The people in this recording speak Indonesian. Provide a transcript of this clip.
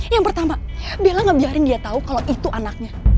yang pertama bella ngebiarin dia tahu kalau itu anaknya